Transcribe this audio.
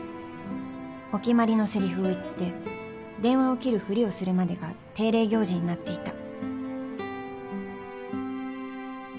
お決まりのせりふを言って電話を切るふりをするまでが定例行事になっていた